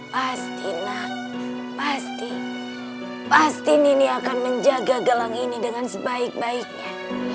pasti nak pasti pasti nini akan menjaga galang ini dengan sebaik baiknya